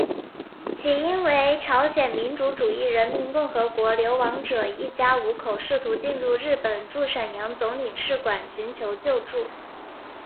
起因为朝鲜民主主义人民共和国流亡者一家五口试图进入日本驻沈阳总领事馆寻求救助。